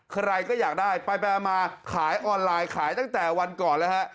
ใครก็อยากได้ไปมาขายออนไลน์ขายตั้งแต่วันก่อนแล้วฮะ